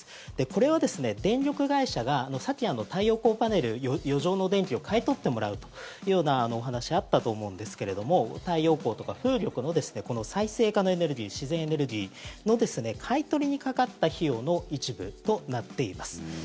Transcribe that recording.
これは電力会社がさっき太陽光パネル余剰の電気を買い取ってもらうというようなお話があったと思うんですけども太陽光とか風力の再生可能エネルギー自然エネルギーの買い取りにかかった費用の一部となっています。